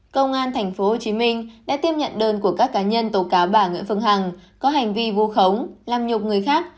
công an tp hcm đã tiếp nhận đơn của các cá nhân tố cáo bà nguyễn phương hằng có hành vi vu khống làm nhục người khác